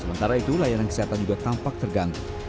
sementara itu layanan kesehatan juga tampak terganggu